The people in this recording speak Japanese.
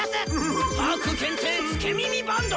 パーク限定つけ耳バンド！